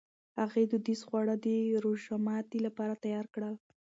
هغې دودیز خواړه د روژهماتي لپاره تیار کړل.